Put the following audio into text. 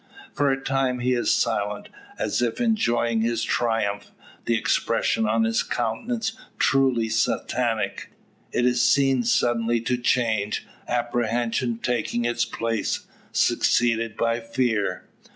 For a time he is silent, as if enjoying his triumph the expression on his countenance truly satanic. It is seen suddenly to change, apprehension taking its place, succeeded by fear.